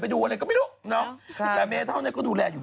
อันนี้ก็คือลดเข็นไปในตัวด้วย